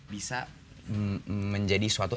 bisa menjadi suatu